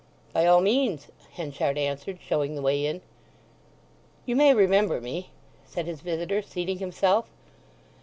"By all means," Henchard answered, showing the way in. "You may remember me?" said his visitor, seating himself.